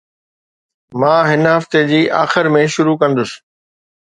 مان هن هفتي جي آخر ۾ شروع ڪندس.